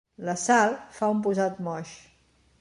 La Sal fa un posat moix.